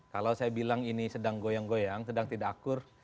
kalau saya bilang ini sedang goyang goyang sedang tidak akur